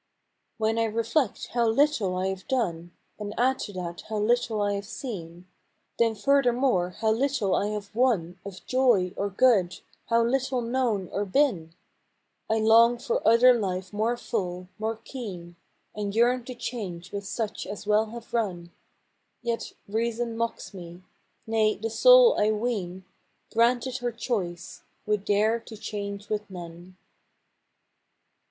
HEN I reflect how little I have done, v v And add to that how little I have seen, Then furthermore how little I have won Of joy, or good, how little known, or been : I long for other life more full, more keen, And yearn to change with such as well have run, — Yet reason mocks me — nay, the soul, I ween, Granted her choice would dare to change with none.